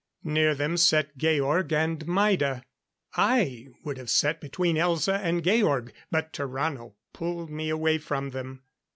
Near them sat Georg and Maida. I would have sat between Elza and Georg, but Tarrano pulled me away from them.